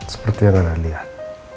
seperti yang kalian lihat